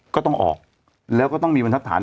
ก็ต้องออกแล้วก็ต้องมีบรรทัศน